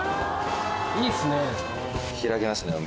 いいですね。